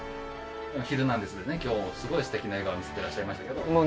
ヒルナンデスでね、きょう、すごいすてきな笑顔、見せていらっしゃいましたけど。